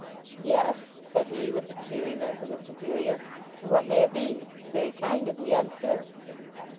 "Yes?" said he, with the cheeriness of a superior. "And what may it be? It's very kind of ye, I'm sure."